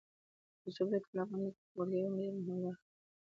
رسوب د ټولو افغانانو د ګټورتیا یوه ډېره مهمه برخه ده.